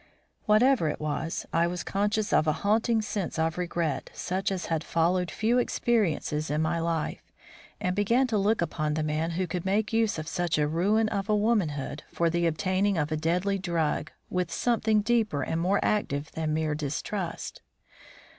Whatever it was, I was conscious of a haunting sense of regret such as had followed few experiences in my life, and began to look upon the man who could make use of such a ruin of womanhood for the obtaining of a deadly drug, with something deeper and more active than mere distrust.